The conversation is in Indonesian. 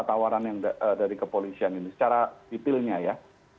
tawaran yang dari kepolisian ini secara detailnya ya